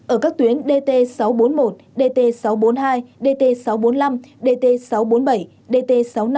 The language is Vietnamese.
ở các tuyến dt sáu trăm bốn mươi một dt sáu trăm bốn mươi hai dt sáu trăm bốn mươi năm dt sáu trăm bốn mươi bảy dt sáu trăm năm mươi